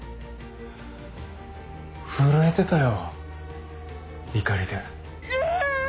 震えてたよ怒りで。